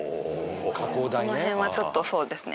この辺はちょっとそうですね